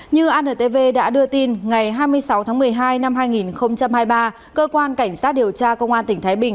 như antv đã đưa tin ngày hai mươi sáu tháng một mươi hai năm hai nghìn hai mươi ba cơ quan cảnh sát điều tra công an tỉnh thái bình